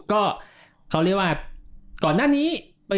ก็เขาเรียกว่าก่อนหน้านี้